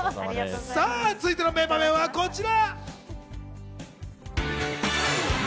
続いての名場面はこちら。